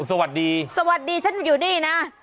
สวัสดีสวัสดีฉันอยู่นี่นะ